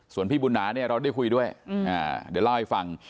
ส่วนพี่บุญนาเนี่ยเราได้คุยด้วยเดี๋ยวเล่าให้ฟัง